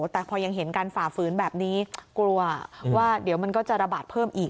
แต่พอยังเห็นการฝ่าฝืนแบบนี้กลัวว่าเดี๋ยวมันก็จะระบาดเพิ่มอีก